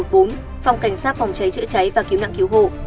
phòng cảnh sát phòng cháy chữa cháy và cứu nạn cứu hộ